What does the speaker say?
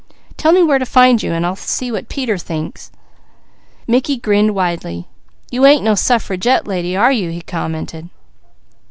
Tell me where to find you, and I'll see what Peter thinks." Mickey grinned widely. "You ain't no suffragette lady, are you?" he commented.